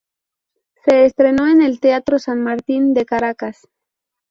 Se estrenó en el Teatro San Martín de Caracas.